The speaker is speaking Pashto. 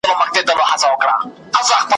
هغه کال وه ناغه سوي بارانونه ,